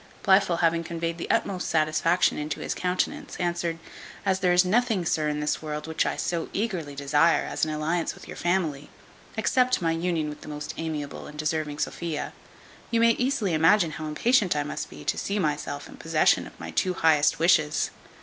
Blifil having conveyed the utmost satisfaction into his countenance, answered, "As there is nothing, sir, in this world which I so eagerly desire as an alliance with your family, except my union with the most amiable and deserving Sophia, you may easily imagine how impatient I must be to see myself in possession of my two highest wishes.